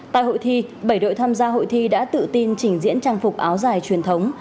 tại hội thi bảy đội tham gia hội thi đã tự tin trình diễn trang phục áo dài truyền thống